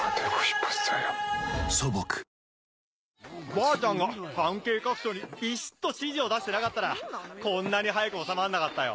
ばあちゃんが関係各所にビシっと指示を出してなかったらこんなに早く収まんなかったよ。